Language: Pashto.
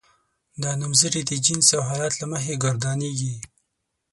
دا نومځري د جنس او حالت له مخې ګردانیږي.